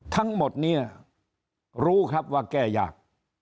ทั้งหมดนี้รู้ครับว่าแก้ยาก